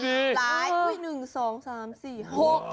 หลายหนึ่งสองสามสี่หก